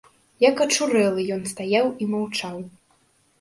Як ачмурэлы ён стаяў і маўчаў.